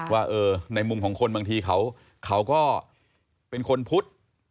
ว่าในมุมของคนบางทีเขาก็เป็นคนพุทธ